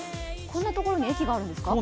こんなところに駅があるんですか？